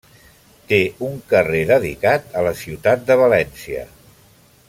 Té un carrer dedicat a la Ciutat de València.